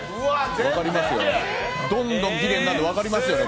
どんどんきれいになるのわかりますよね